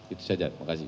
itu saja terima kasih